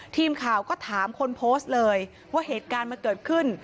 ทีมข่าวก็ถามคนโพสต์เลยว่าเหตุการณ์มันเกิดขึ้น